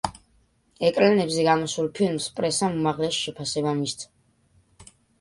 ეკრანებზე გამოსულ ფილმს პრესამ უმაღლესი შეფასება მისცა.